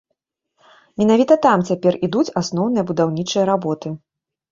Менавіта там цяпер ідуць асноўныя будаўнічыя работы.